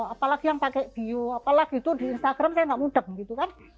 apalagi yang pakai bio apalagi itu di instagram saya nggak mudem gitu kan